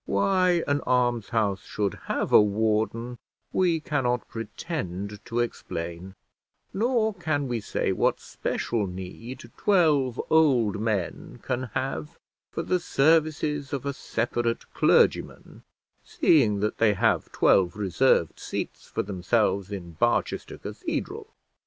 Why an almshouse should have a warden we cannot pretend to explain, nor can we say what special need twelve old men can have for the services of a separate clergyman, seeing that they have twelve reserved seats for themselves in Barchester Cathedral.